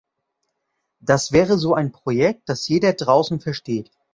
Das wäre so ein Projekt, das jeder draußen versteht.